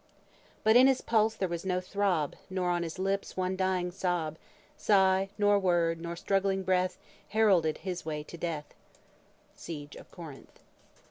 "But in his pulse there was no throb, Nor on his lips one dying sob; Sigh, nor word, nor struggling breath Heralded his way to death." SIEGE OF CORINTH.